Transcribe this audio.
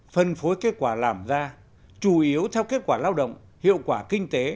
phân phối kết quả làm ra chủ yếu theo kết quả lao động hiệu quả kinh tế